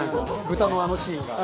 豚のあのシーンが。